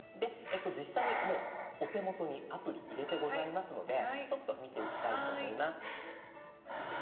実際にもうお手元にアプリ入れてございますのでちょっと見ていきたいと思います。